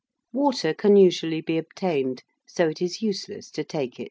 Water can usually be obtained so it is useless to take it.